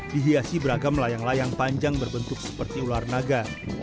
dihiasi beragam layang layang panjang berbentuk seperti ular naga